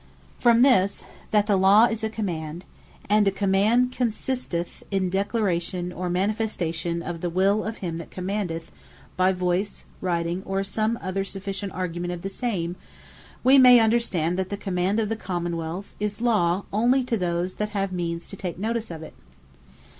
From this, that the Law is a Command, and a Command consisteth in declaration, or manifestation of the will of him that commandeth, by voyce, writing, or some other sufficient argument of the same, we may understand, that the Command of the Common wealth, is Law onely to those, that have means to take notice of it.